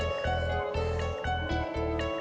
udah sudah cabut lu